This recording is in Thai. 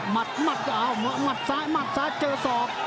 มัดมัดอ้าวมัดซ้ายมัดซ้ายเจอสอบ